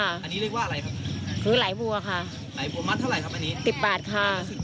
อันนี้เรียกว่าอะไรครับคือหลายบัวค่ะหลายบัวมัดเท่าไหร่ครับอันนี้สิบแปดค่ะ